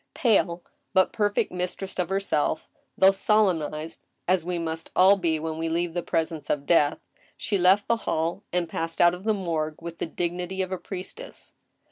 Pale, but perfect mistress of herself, though solemnized as we 12 178 THE STEEL HAMMER. must all be when we leave the presence of death, she left the hall, and passed out of the morgue with the dignity of a priestess.'